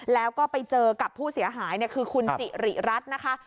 แล้วก็ไปเจอกับผู้เสียหายคือคุณสิริรัตน์นะคะ